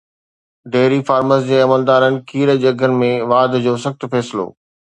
dairy farms جي عملدارن کير جي اگهن ۾ واڌ جو سخت فيصلو